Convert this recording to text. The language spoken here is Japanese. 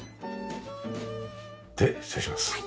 で失礼します。